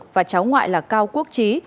và cháu ngoại là cao quốc trí